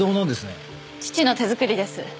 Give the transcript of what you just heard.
父の手作りです。